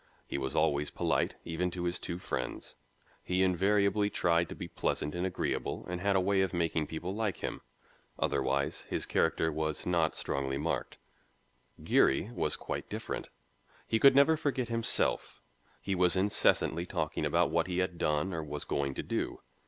He was always polite, even to his two friends. He invariably tried to be pleasant and agreeable and had a way of making people like him. Otherwise, his character was not strongly marked. Geary was quite different. He never could forget himself. He was incessantly talking about what he had done or was going to do.